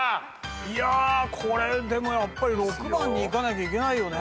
いやこれでもやっぱり６番にいかなきゃいけないよね。